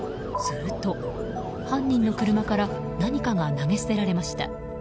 すると犯人の車から何かが投げ捨てられました。